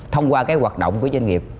thông qua cái hoạt động của doanh nghiệp